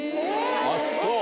あっそう。